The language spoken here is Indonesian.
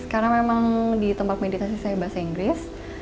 karena memang di tempat meditasi saya bahasa inggris